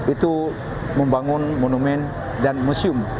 itu membangun monumen dan museum